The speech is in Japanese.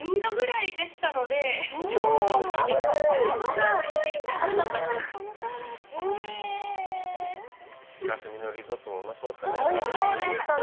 イカスミのリゾットもうまそうだったね。